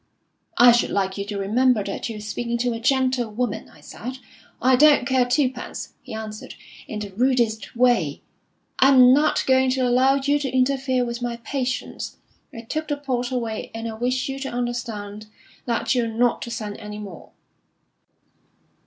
'I should like you to remember that you're speaking to a gentlewoman,' I said. 'I don't care twopence,' he answered, in the rudest way. 'I'm not going to allow you to interfere with my patients. I took the port away, and I wish you to understand that you're not to send any more.'